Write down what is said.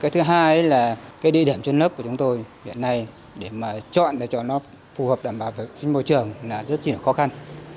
thứ hai là địa điểm trôn lấp của chúng tôi hiện nay để mà chọn cho nó phù hợp đảm bảo vệ sinh môi trường là rất là khó khăn